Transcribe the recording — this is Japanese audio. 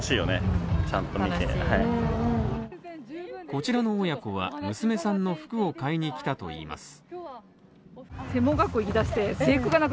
こちらの親子は娘さんの服を買いに来たといいます。